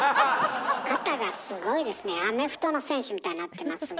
肩がすごいですねアメフトの選手みたいになってますが。